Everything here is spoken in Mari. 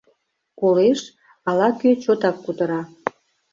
Колеш, ала-кӧ чотак кутыра.